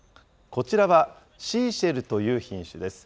こちらはシーシェルという品種です。